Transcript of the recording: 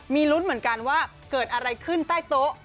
มีลุ้นเหมือนกันว่าเกิดอะไรขึ้นใต้โต๊ะ